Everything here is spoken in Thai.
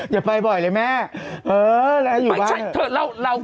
อย่าไปบ่อยเลยแม่เออแล้วอยู่บ้าน